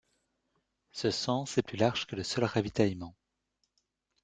Ce sens est plus large que le seul ravitaillement.